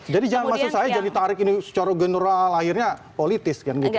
jadi jangan maksud saya ditarik secara general akhirnya politis